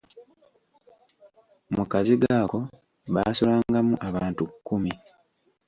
Mu kazigo ako baasulangamu abantu kkumi.